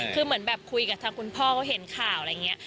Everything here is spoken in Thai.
คือเหมือนแบบคุยกับทางคุณพ่อเขาเห็นข่าวอะไรอย่างนี้